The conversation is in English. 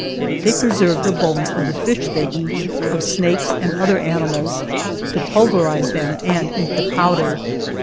They preserve the bones of the fish they eat, of snakes and other animals, to pulverize them and eat the powder.